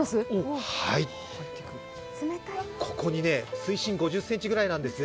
水深５０ｃｍぐらいなんです。